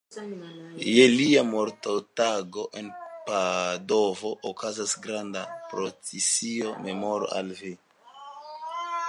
Je lia mortotago en Padovo okazas granda procesio memore al li.